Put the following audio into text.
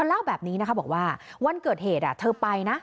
เล่าแบบนี้นะคะบอกว่าวันเกิดเหตุเธอไปนะ